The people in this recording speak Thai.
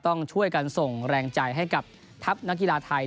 ต้องช่วยกันส่งแรงใจให้กับทัพนักกีฬาไทย